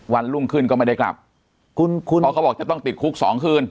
วันรุ่งขึ้นก็ไม่ได้กลับคุ้นคุณเพราะเขาบอกจะต้องติดคุกสองคืน